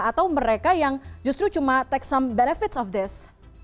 atau mereka yang justru cuma take some benefits of this